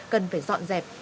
cần phải dọn dẹp